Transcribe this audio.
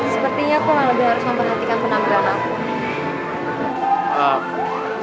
sepertinya aku nggak lebih harus memperhatikan penampilan aku